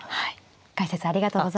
解説ありがとうございました。